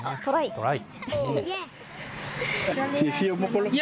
トライ。